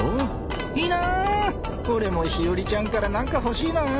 ［いいな俺も日和ちゃんから何か欲しいな］